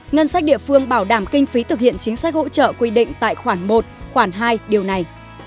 ngân sách địa phương bảo đảm kinh phí thực hiện chính sách hỗ trợ quy định tại khoản một khoản hai điều này